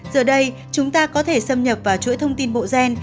giờ đây chúng ta có thể xâm nhập vào chuỗi thông tin bộ gen